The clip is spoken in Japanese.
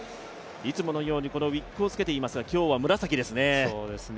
いつものようにウィッグをつけていますが、今日は紫ですね。